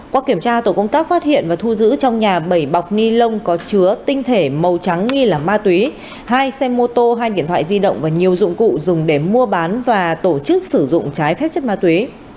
qua kiểm tra tổ công tác phát hiện và thu giữ trong nhà bảy bọc ni lông có chứa tinh thể màu trắng nghi là ma túy hai xe mô tô hai điện thoại di động và nhiều dụng cụ dùng để mua bán và tổ chức sử dụng trái phép chất ma túy